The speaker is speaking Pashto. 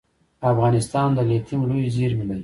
افغانستان د لیتیم لویې زیرمې لري